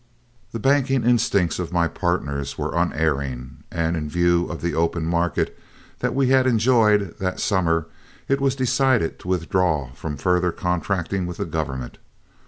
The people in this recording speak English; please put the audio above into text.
The banking instincts of my partners were unerring, and in view of the open market that we had enjoyed that summer it was decided to withdraw from further contracting with the government.